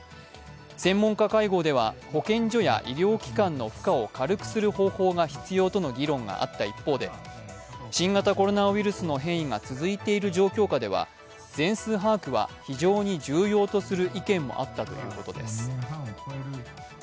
専門家会合では、保健所や医療機関の負荷を軽くする方法が必要との議論があった一方で新型コロナウイルスの変異が続いている状況下では全数把握は非常に重要とする意見もあったということです。